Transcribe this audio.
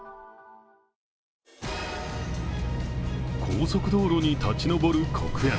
高速道路に立ち上る黒煙。